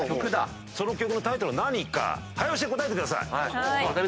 その曲のタイトルは何か早押しで答えてください。